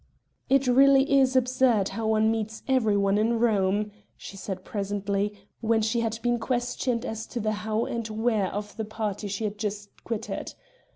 "It really is absurd how one meets every one in Rome," she said presently, when she had been questioned as to the how and where of the party she had just quitted.